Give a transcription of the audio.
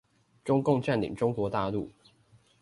中共占領中國大陸